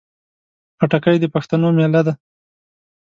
خټکی د پښتنو مېله ده.